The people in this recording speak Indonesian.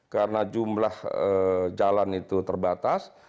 karena jumlah jalan itu terbatas